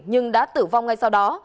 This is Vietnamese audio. nhưng đã tử vong ngay sau đó